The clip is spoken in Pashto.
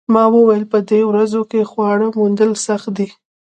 ما وویل په دې ورځو کې خواړه موندل سخت دي